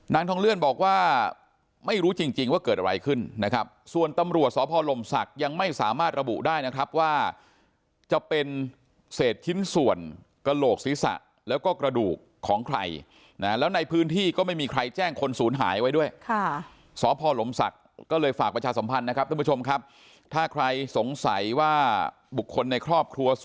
นางทองเลื่อนบอกว่าไม่รู้จริงจริงว่าเกิดอะไรขึ้นนะครับส่วนตำรวจสพลมศักดิ์ยังไม่สามารถระบุได้นะครับว่าจะเป็นเศษชิ้นส่วนกระโหลกศีรษะแล้วก็กระดูกของใครนะแล้วในพื้นที่ก็ไม่มีใครแจ้งคนศูนย์หายไว้ด้วยค่ะสพลมศักดิ์ก็เลยฝากประชาสัมพันธ์นะครับท่านผู้ชมครับถ้าใครสงสัยว่าบุคคลในครอบครัวส